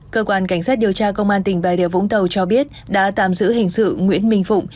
cơ quan cảnh sát điều tra công an tỉnh bà điều vũng tàu cho biết đã tạm giữ hình sự nguyễn minh phụng